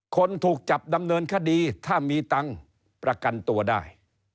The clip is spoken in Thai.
คนถูกจับดำเนินคดีถ้ามีตังค์ประกันตัวได้